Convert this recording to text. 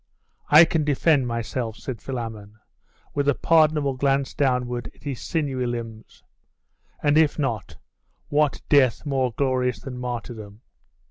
'I can defend myself,' said Philammon, with a pardonable glance downward at his sinewy limbs. 'And if not: what death more glorious than martyrdom?